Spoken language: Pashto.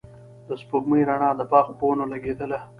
د سپوږمۍ رڼا د باغ په ونو لګېدله.